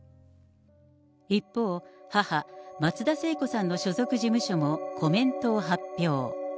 一方、母、松田聖子さんの所属事務所も、コメントを発表。